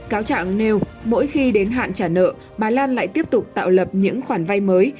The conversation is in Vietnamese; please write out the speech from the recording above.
cáo trạng nêu mỗi khi đến hạn trả nợ bà lan lại tiếp tục tạo lập những khoản vay mới